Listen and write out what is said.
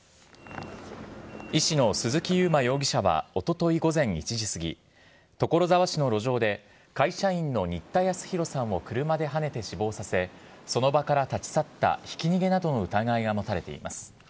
医師の鈴木佑麿容疑者はおととい午前１時過ぎ、所沢市の路上で会社員の新田恭弘さんを車ではねて死亡させ、その場から立ち去ったひき逃げなどの疑いが持たれています。